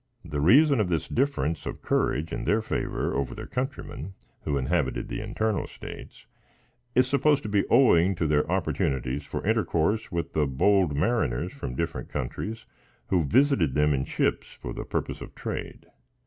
The reason of this difference of courage in their favor over their countrymen who inhabited the internal States, is supposed to be owing to their opportunities for intercourse with the bold mariners from different countries who visited them in ships for the purpose of trade.